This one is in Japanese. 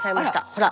ほら！